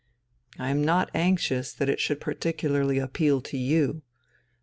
I am not anxious that it should particularly appeal to you....